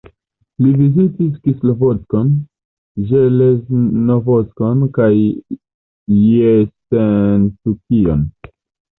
Li vizitis Kislovodskon, Ĵeleznovodskon kaj Jessentuki-on.